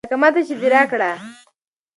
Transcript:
لکه ماته چې دې راکړي.